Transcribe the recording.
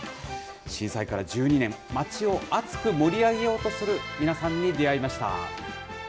震災から１２年、街を熱く盛り上げようとする皆さんに出会いました。